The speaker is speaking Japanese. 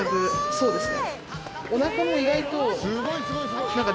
そうですね。